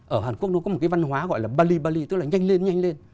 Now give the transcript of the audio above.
ở hàn quốc nó có một cái văn hóa gọi là bali bali tức là nhanh lên nhanh lên